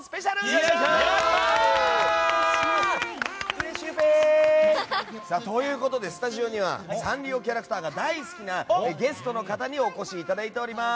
よいしょー！ということでスタジオにはサンリオキャラクターが大好きなゲストの方にお越しいただいております。